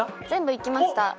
全部いきました。